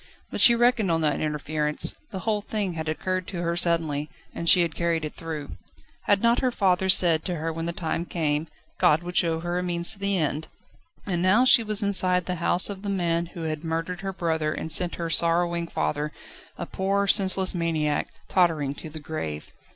But she reckoned on that interference: the whole thing had occurred to her suddenly, and she had carried it through. Had not her father said to her that when the time came, God would show her a means to the end? And now she was inside the house of the man who had murdered her brother and sent her sorrowing father, a poor, senseless maniac, tottering to the grave.